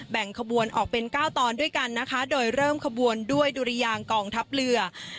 แบ่งขบวนออกเป็น๙ตอนด้วยกันนะคะโดยเริ่มขบวนด้วยดุรยางกองทัพเรือ